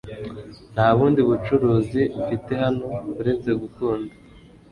nta bundi bucuruzi mfite hano uretse gukunda